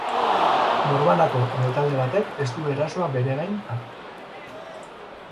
Norbanako edo talde batek ez du erasoa beregain hartu.